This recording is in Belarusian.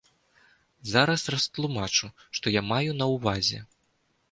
Зараз растлумачу, што я маю на ўвазе.